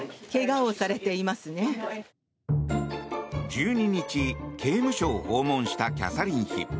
１２日、刑務所を訪問したキャサリン妃。